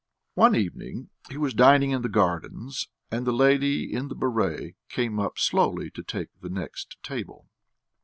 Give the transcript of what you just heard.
One evening he was dining in the gardens, and the lady in the béret came up slowly to take the next table.